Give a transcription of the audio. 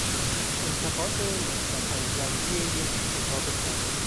انتقاد نسبتا جنبی یک کتاب خوب